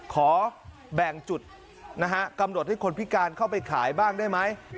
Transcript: ขอแบ่งจุดนะฮะกำหนดให้คนพิการเข้าไปขายบ้างได้ไหม